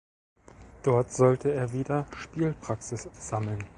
Dort sollte er wieder Spielpraxis sammeln.